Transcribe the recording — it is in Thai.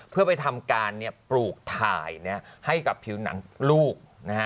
เพื่อไปทำการปลูกถ่ายให้กับผิวหนังลูก